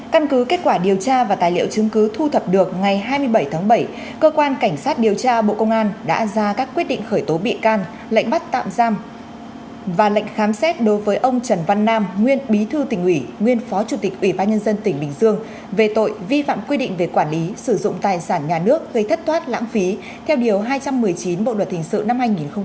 căn cứ kết quả điều tra và tài liệu chứng cứ thu thập được ngày hai mươi bảy tháng bảy cơ quan cảnh sát điều tra bộ công an đã ra các quyết định khởi tố bị can lệnh bắt tạm giam và lệnh khám xét đối với ông trần văn nam nguyên bí thư tỉnh ủy nguyên phó chủ tịch ủy ban nhân dân tỉnh bình dương về tội vi phạm quy định về quản lý sử dụng tài sản nhà nước gây thất thoát lãng phí theo điều hai trăm một mươi chín bộ luật hình sự năm hai nghìn một mươi năm